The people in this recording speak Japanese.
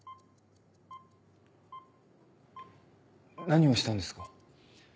何をしたんですか？